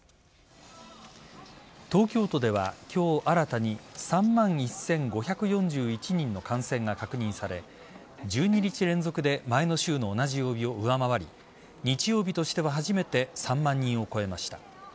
東京都では今日新たに３万１５４１人の感染が確認され１２日連続で前の週の同じ曜日を上回り日曜日としては初めて３万人を超えました。